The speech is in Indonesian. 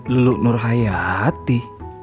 lulu nur hayati